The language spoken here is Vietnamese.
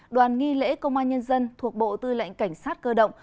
đoàn nghi lễ công an nhân dân thuộc bộ tư lệnh cảnh sát cơ động